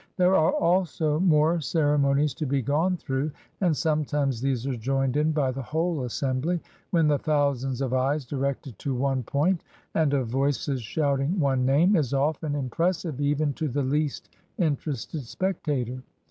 There are also more ceremonies to be gone through, and sometimes these are joined in by the whole assembly; when the thousands of eyes directed to one 17s INDIA point, and of voices shouting one name, is often impres sive even to the least interested spectator.